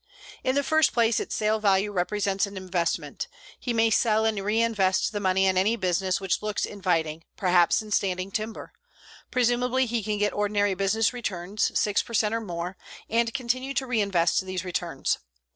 In the first place, its sale value represents an investment. He may sell and reinvest the money in any business which looks inviting perhaps in standing timber. Presumably he can get ordinary business returns, 6 per cent or more, and continue to reinvest these returns.